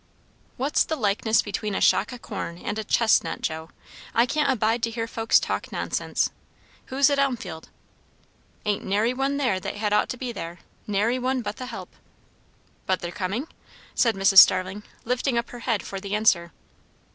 "What's the likeness between a shock o' corn and a chestnut, Joe? I can't abide to hear folks talk nonsense. Who's at Elmfield?" "Ain't nary one there that had ought to be there; nary one but the help." "But they're comin'?" said Mrs. Starling, lifting up her head for the answer.